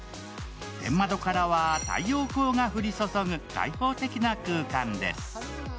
天窓からは太陽光が降り注ぐ開放的な空間です。